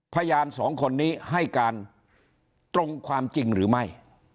พยานสองคนนี้ให้การตรงความจริงหรือไม่